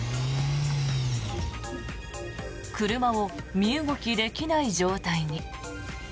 車を身動きできない状態に。